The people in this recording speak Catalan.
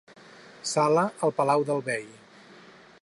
Sala al palau del bei.